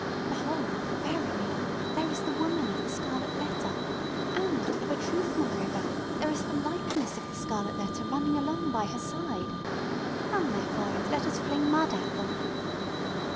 "Behold, verily, there is the woman of the scarlet letter: and of a truth, moreover, there is the likeness of the scarlet letter running along by her side! Come, therefore, and let us fling mud at them!"